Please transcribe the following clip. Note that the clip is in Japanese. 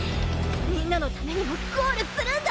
みんなのためにもゴールするんだ！